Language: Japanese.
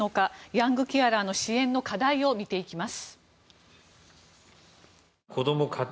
ヤングケアラー支援の課題を見ていきます。